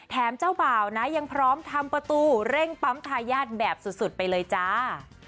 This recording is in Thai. เจ้าบ่าวนะยังพร้อมทำประตูเร่งปั๊มทายาทแบบสุดไปเลยจ้า